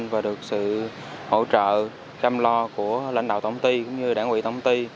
và được sự hỗ trợ chăm lo của lãnh đạo tổng ty cũng như đảng quỹ tổng ty